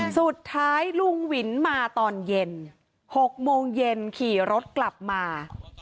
สุดท้ายลุงวินมาตอนเย็น๖โมงเย็นขี่รถกลับมา